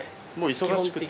忙しくて。